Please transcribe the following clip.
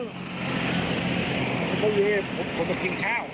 เก้าเดียวผมจะกินข้าว